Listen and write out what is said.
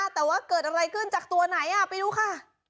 แต่ว่าเกิดอะไรขึ้นจากตัวไหนไปดูค่ะ